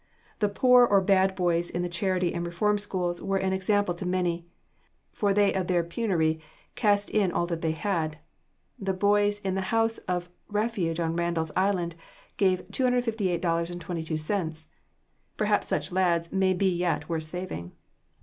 The poor or bad boys in the charity and reform schools were an example to many, for they of their penury cast in all that they had. The boys in the House of Refuge on Randall's Island, gave $258.22. Perhaps such lads may be yet worth saving.